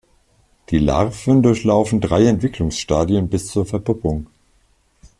Die Larven durchlaufen drei Entwicklungsstadien bis zur Verpuppung.